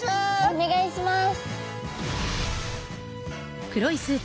お願いします。